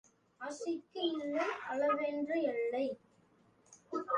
ஆசைக்கு இல்லை அளவென்ற எல்லை.